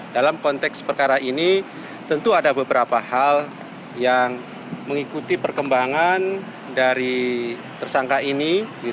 dalam konteks perkara ini tentu ada beberapa hal yang mengikuti perkembangan dari tersangka ini